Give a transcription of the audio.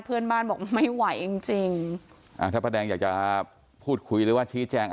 เพื่อนบ้านบอกไม่ไหวจริงจริงอ่าถ้าป้าแดงอยากจะพูดคุยหรือว่าชี้แจง